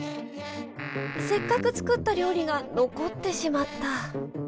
せっかく作った料理が残ってしまった。